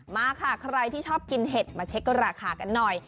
มาค่ะใครที่ชอบกินเห็ดมาเช็คราคากันหน่อย